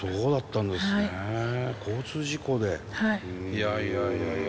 いやいやいやいや